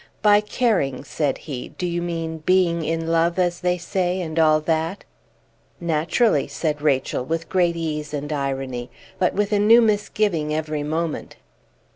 "By 'caring,'" said he, "do you mean being 'in love,' as they say, and all that?" "Naturally," said Rachel, with great ease and irony, but with a new misgiving every moment.